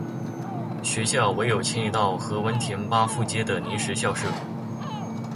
学校唯有迁移到何文田巴富街的临时校舍。